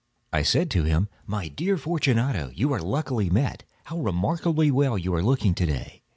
I said to him: "My dear Fortunato, you are luckily met. How remarkably well you are looking to day!